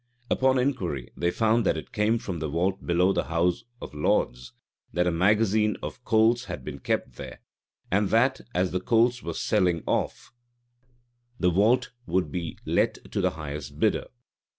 {1605.} Upon inquiry, they found that it came from the vault below the house of lords; that a magazine of coals had been kept there; and that, as the coals were selling off, the vault would be let to the highest bidder.